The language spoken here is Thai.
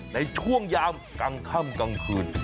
ในช่วงยามกลางค่ำกลางคืน